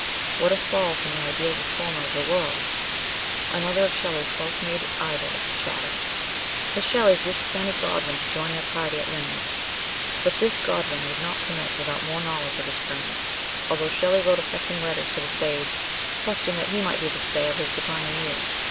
What a fall from the ideal reformer of the world ! another of Shelley's self made idols shattered. The Shelleys wished Fanny Godwin to join their party at Lynmouth ; but this Godwin would not permit without more knowledge of his friends, although Shelley wrote affecting letters to the sage, trusting that he might be the stay of his declining years.